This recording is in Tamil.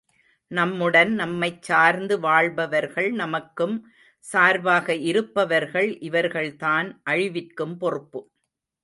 நம்முடன் நம்மைச் சார்ந்து வாழ்பவர்கள், நமக்கும் சார்பாக இருப்பவர்கள் இவர்கள்தான் அழிவிற்கும் பொறுப்பு!